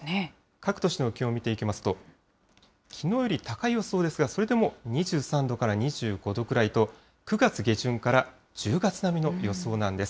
各都市の気温を見ていきますと、きのうより高い予想ですが、それでも２３度から２５度くらいと、９月下旬から１０月並みの予想なんです。